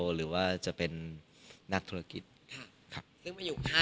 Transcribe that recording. หรือว่าจะเป็นนักธุรกิจ